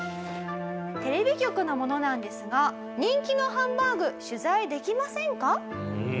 「テレビ局の者なんですが人気のハンバーグ取材できませんか？」。